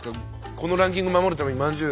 このランキング守るためにまんじゅう